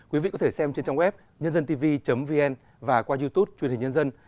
quý vị có thể xem trên trang web nhândântv vn và qua youtube truyền hình nhân dân